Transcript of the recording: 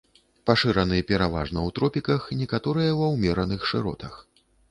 Пашыраны пераважна ў тропіках, некаторыя ва ўмераных шыротах.